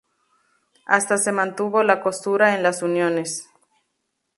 Hasta se mantuvo la costura en las uniones.